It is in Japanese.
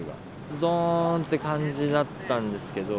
どーんって感じだったんですけど。